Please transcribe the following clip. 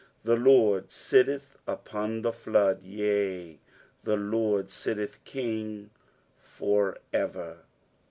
10 The Lord sitteth upon the flood ; yea, the Lord sitteth King for ever.